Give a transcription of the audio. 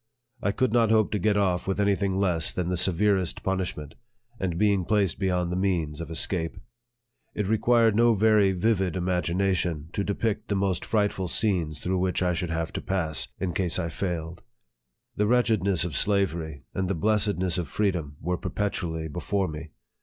I could not hope to get off with any thing less than the severest punishment, and being placed beyond the means of escape. It required no very vivid imagination to depict the most frightful scenes through which I should have to pass, in case I failed. The wretchedness of slavery, and the blessed ness of freedom, were perpetually before me.